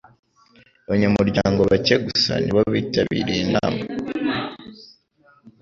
Abanyamuryango bake gusa ni bo bitabiriye inama.